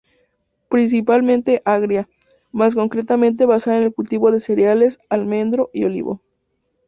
Principalmente agraria, más concretamente basada en el cultivo de cereales, almendro y olivo.